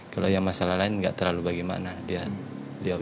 kalau yang masalah lain nggak terlalu bagaimana dia